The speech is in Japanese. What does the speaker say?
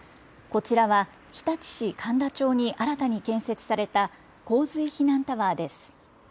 こちらは日立市神田町に新たに建設された洪水避難タワーです。